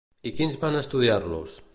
I quins van estudiar-los?